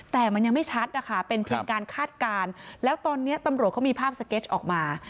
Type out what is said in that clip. แต่มันยังไม่ชัดนะคะเป็นเพียงการคาดการณ์แล้วตอนนี้ตำรวจเขามีภาพสเก็ตออกมา